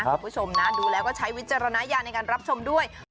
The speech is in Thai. คุณผู้ชมนะดูแล้วก็ใช้วิจารณญาณในการรับชมด้วย